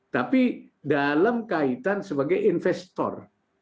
tapi dalam kaitan sebagai investor